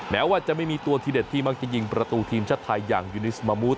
แม้ว่าจะไม่มีตัวทีเด็ดที่มักจะยิงประตูทีมชาติไทยอย่างยูนิสมามูท